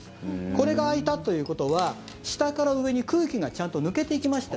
これが開いたということは下から上に空気がちゃんと抜けていきました